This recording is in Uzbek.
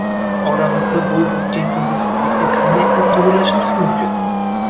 Oramizda bo‘lib o‘tgan ko‘ngilsizlikni qanday qilib to‘g‘irlashimiz mumkin?